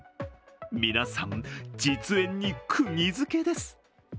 皆さん、実演にくぎづけです。